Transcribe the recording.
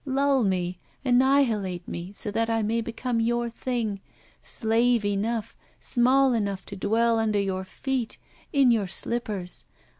Lull me, annihilate me, so that I may become your thing, slave enough, small enough to dwell under your feet, in your slippers.